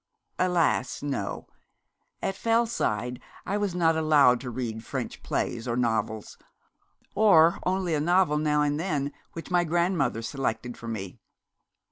'Alas! no. At Fellside I was not allowed to read French plays or novels: or only a novel now and then, which my grandmother selected for me.'